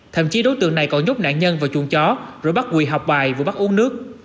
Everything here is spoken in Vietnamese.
thậm chí đối tượng này còn giúp nạn nhân vào chuồng chó rồi bắt quỳ học bài vừa bắt uống nước